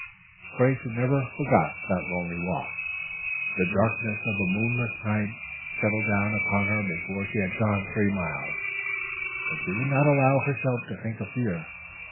Grace never forgot that lonely walk. The darkness of a moonless night settled down upon her before she had gone three miles, but she would not allow herself to think of fear.